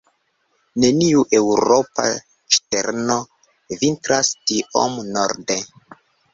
Neniu eŭropa ŝterno vintras tiom norde.